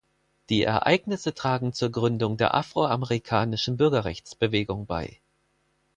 Die Ereignisse tragen zur Gründung der afroamerikanischen Bürgerrechtsbewegung bei.